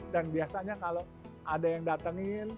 dan biasanya kalau ada yang datangin